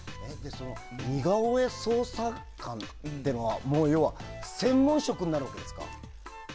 似顔絵捜査官っていうのは要は、専門職になるわけですか？